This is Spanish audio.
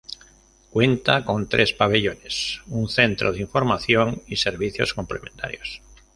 Cuenta con tres pabellones, un centro de información y servicios complementarios.